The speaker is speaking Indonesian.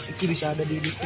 iki bisa ada di titik ini